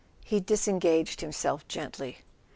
He disengaged himself gently.